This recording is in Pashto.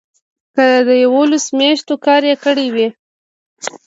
که یوولس میاشتې کار یې کړی وي.